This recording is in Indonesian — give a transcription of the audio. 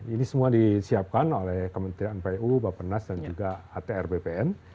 ini semua disiapkan oleh kementerian pu bapak nas dan juga atr bpn